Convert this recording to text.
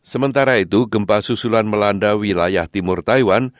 sementara itu gempa susulan melanda wilayah timur taiwan